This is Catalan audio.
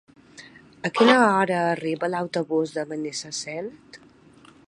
A quina hora arriba l'autobús de Benissanet?